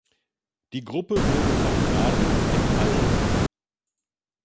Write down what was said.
Die Gruppe wurde von Adl et al.